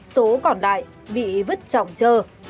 số còn lại bị vứt trọng trơ